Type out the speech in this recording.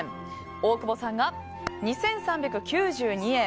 大久保さんが２３９２円。